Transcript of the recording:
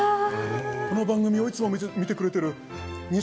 この番組をいつも見てくれている仁